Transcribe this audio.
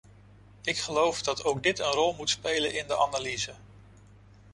Ik geloof dat ook dit een rol moet spelen in de analyse.